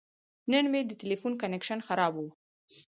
نن مې د تلیفون کنکشن خراب و.